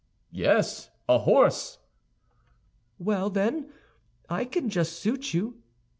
"Yes, a horse." "Well, then! I can just suit you."